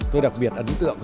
tôi đặc biệt ấn tượng